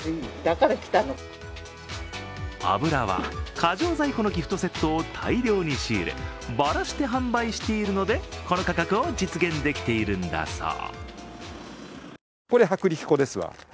油は過剰在庫のギフトセットを大量に仕入れ、ばらして販売しているのでこの価格を実現できているんだそう。